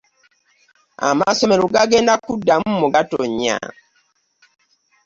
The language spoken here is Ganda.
Amasomero gagenda kuddamu mu Gatonnya.